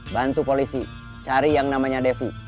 bantu polisi cari yang namanya devi